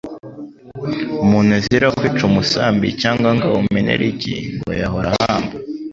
Umuntu azira kwica umusambi cyangwa ngo awumenere igi, ngo yahora ahamba